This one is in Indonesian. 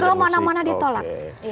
kau mana mana ditolak